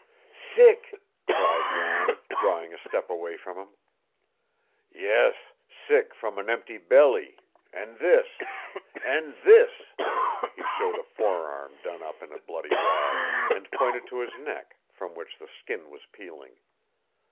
"Sick!" cried Jan, drawing a step away from him. "Yes, sick from an empty belly, and this, and this!" He showed a forearm done up in a bloody rag, and pointed to his neck, from which the skin was peeling.